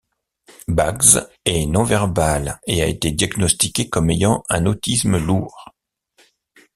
Baggs est non-verbale et a été diagnostiquée comme ayant un autisme lourd.